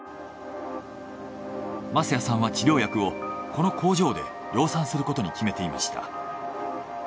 舛屋さんは治療薬をこの工場で量産することに決めていました。